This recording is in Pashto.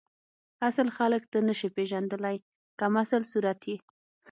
اصل خلک ته نسی پیژندلی کمسل صورت یی